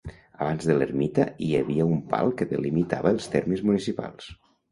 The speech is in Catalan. Abans de l'ermita hi havia un pal que delimitava els termes municipals.